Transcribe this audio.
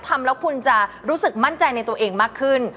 ทำแล้วคุณจะรู้สึกมั่นใจในตัวเองมากขึ้น